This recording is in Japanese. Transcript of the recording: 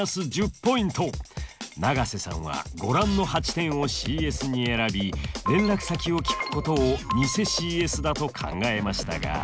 永瀬さんはご覧の８点をＣＳに選び連絡先を聞くことを偽ＣＳだと考えましたが。